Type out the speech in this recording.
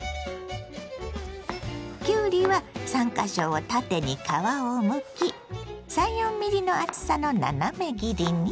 きゅうりは３か所を縦に皮をむき３４ｍｍの厚さの斜め切りに。